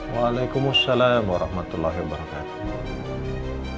waalaikumsalam warahmatullahi wabarakatuh